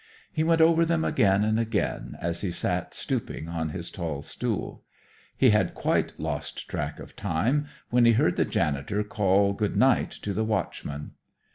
He went over them again and again as he sat stooping on his tall stool. He had quite lost track of time when he heard the janitor call good night to the watchman.